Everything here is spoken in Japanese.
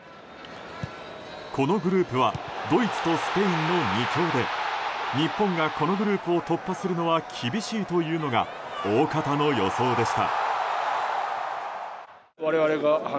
このグループはドイツとスペインの二強で日本が、このグループを突破するのは厳しいというのが大方の予想でした。